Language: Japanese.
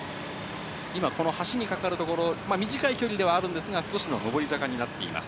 今、この橋にかかる所、短い距離ではあるんですが、少しの登り坂になっています。